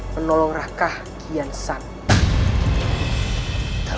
menolong ra kah kian santang